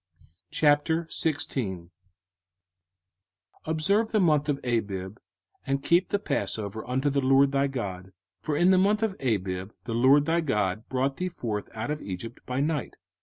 05:016:001 Observe the month of Abib, and keep the passover unto the LORD thy God: for in the month of Abib the LORD thy God brought thee forth out of Egypt by night.